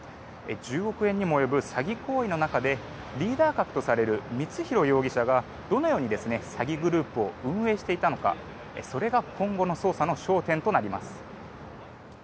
１０億円にも及ぶ詐欺行為の中でリーダー格とされる光弘容疑者がどのように詐欺グループを運営していたのかそれが今後の捜査の焦点となります。